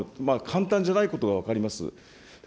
簡単じゃないことは分かります。